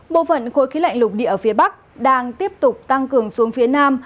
bộ phận khối khí lạnh lục địa ở phía bắc đang tiếp tục tăng cường xuống phía nam